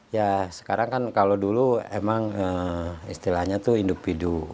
ya sekarang kan kalau dulu emang istilahnya itu individu